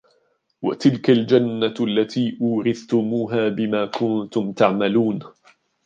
وتلك الجنة التي أورثتموها بما كنتم تعملون